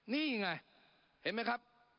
นี่ไงเห็นมั้ยครับ